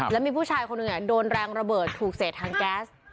แล้วมีผู้ชายคนหนึ่งโดนแรงระเบิดถูกเศษทางแก๊ส